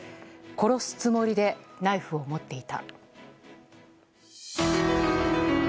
殺すつもりでナイフを持っていた。